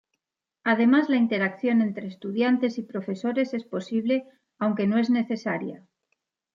Además la interacción entre estudiantes y profesores es posible aunque no es necesaria.